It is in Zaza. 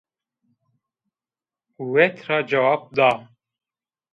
Wet ra cewab da